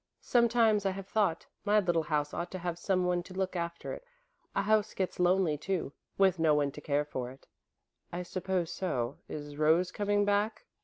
Sometimes I have thought my little house ought to have someone to look after it. A house gets lonely, too, with no one to care for it." "I suppose so. Is Rose coming back?"